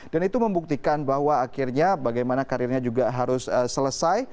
dan itu membuktikan bahwa akhirnya bagaimana karirnya juga harus selesai